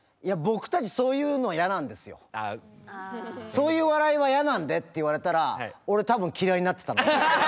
「そういう笑いは嫌なんで」って言われたら俺多分嫌いになってた。